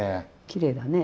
きれいだね。